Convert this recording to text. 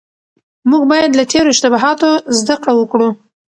موږ بايد له تېرو اشتباهاتو زده کړه وکړو.